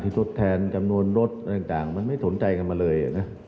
ทดแทนจำนวนรถต่างมันไม่สนใจกันมาเลยนะ